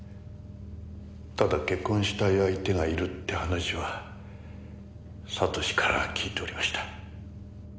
ただ結婚したい相手がいるって話は悟志から聞いておりました。